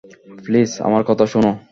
Please, আমার কথা শুনো!